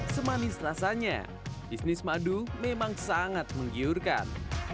semanis rasanya bisnis madu memang sangat menggiurkan